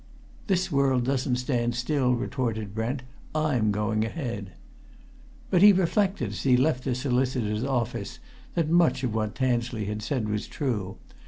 "This world doesn't stand still," retorted Brent. "I'm going ahead!" But he reflected, as he left the solicitor's office, that much of what Tansley had said was true.